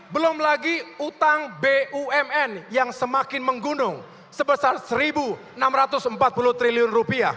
belum lagi utang bumn yang semakin menggunung sebesar rp satu enam ratus empat puluh triliun